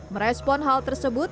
merespon hal tersebut